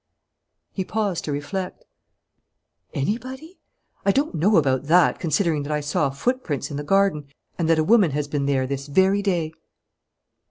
He paused to reflect. "Anybody? I don't know about that, considering that I saw footprints in the garden, and that a woman has been there this very day!"